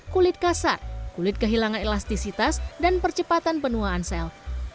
kulit kasar kulit kehilangan elastisitas dan percepatan penuaan sel